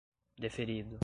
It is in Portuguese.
Deferido